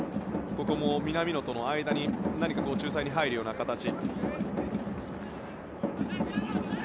ここも、南野との間に仲裁に入るような形。